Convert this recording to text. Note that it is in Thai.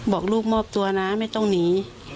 บอกลูกมอบตัวนะไม่ต้องหนี